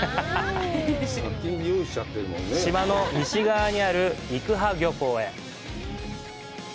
島の西側にある育波漁港へ。